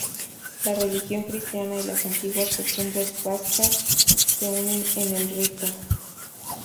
La religión cristiana y las antiguas costumbres vascas se unen en este rito.